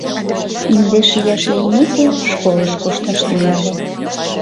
Индеш ияш лиймеке, школыш кошташ тӱҥале.